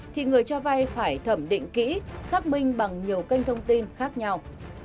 thì người cho vay phải thẩm định kỹ xác minh bằng nhiều kênh thông tin khác nhau